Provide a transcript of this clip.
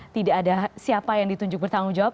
tidak ada siapa yang ditunjuk bertanggung jawab